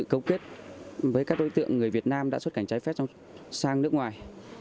sự cấu kết với các đối tượng người việt nam đã xuất cảnh trái phép sang nước ngoài